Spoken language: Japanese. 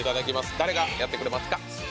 誰がやってくれますか。